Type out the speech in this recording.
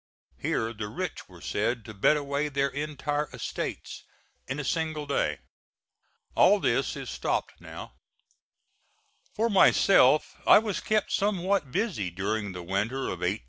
Here the rich were said to bet away their entire estates in a single day. All this is stopped now. For myself, I was kept somewhat busy during the winter of 1847 8.